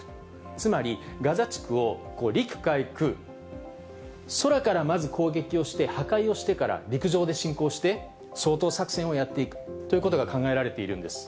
つまり、ガザ地区を陸海空、空からまず攻撃をして破壊をしてから陸上で侵攻をして、掃討作戦をやっていくということが考えられているんです。